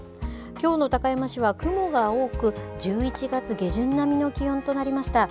きょうの高山市は雲が多く、１１月下旬並みの気温となりました。